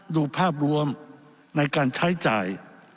ดูภาพรวมในการใช้จ่าย